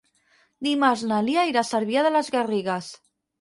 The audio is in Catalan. Dimarts na Lia irà a Cervià de les Garrigues.